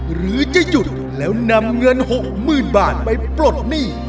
หรือจะหยุดแล้วนำเงิน๖๐๐๐บาทไปปลดหนี้